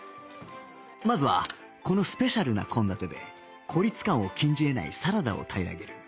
まずはこのスペシャルな献立で孤立感を禁じ得ないサラダを平らげる